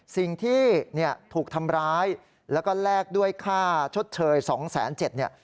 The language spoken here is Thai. สิ่งที่ถูกทำร้ายแล้วก็แลกด้วยค่าชดเชย๒๗๐๐เนี่ย